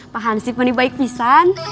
pak hansip mandi baik nisan